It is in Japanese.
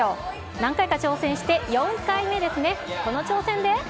何回か挑戦して、４回目で決め、この挑戦で。